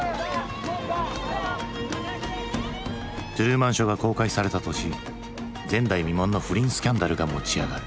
「トゥルーマン・ショー」が公開された年前代未聞の不倫スキャンダルが持ち上がる。